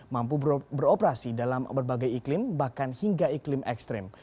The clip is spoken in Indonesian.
mampu beroperasi dalam berbagai iklim bahkan hingga iklim ekstrim